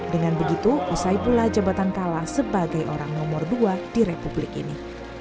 dengan begitu usai pula jabatan kala sebagai orang nomor dua di republik ini